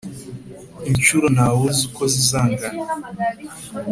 inshuro ntawuzi uko zizangana,